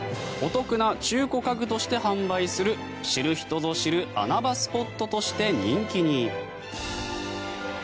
お得な中古家具として販売する知る人ぞ知る穴場スポットとして人気に。